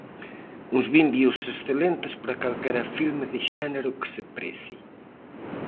Uns vimbios excelentes para calquera filme de xénero que se prece.